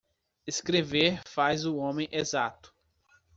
Escrever faz o homem exato